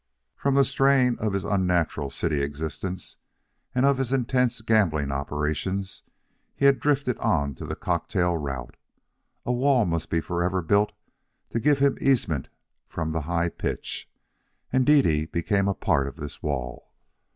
From the strain of his unnatural city existence and of his intense gambling operations, he had drifted on to the cocktail route. A wall must forever be built to give him easement from the high pitch, and Dede became a part of this wall.